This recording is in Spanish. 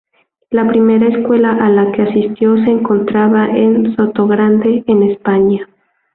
La primera escuela a la que asistió se encontraba en Sotogrande, en España.